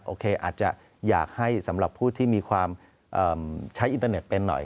โอเคอาจจะอยากให้สำหรับผู้ที่มีความใช้อินเตอร์เน็ตเป็นหน่อย